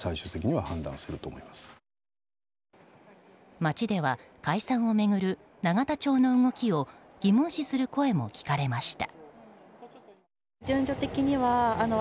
街では解散を巡る永田町の動きを疑問視する声も聞かれました。